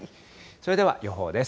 それでは予報です。